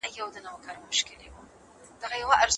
زده کوونکي به له مودې راهیسې هڅه کړې وي.